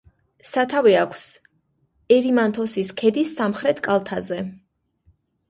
სათავე აქვს ერიმანთოსის ქედის სამხრეთ კალთაზე.